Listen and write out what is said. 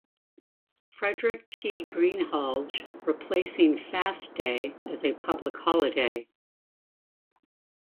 Frederic T. Greenhalge replacing Fast Day as a public holiday.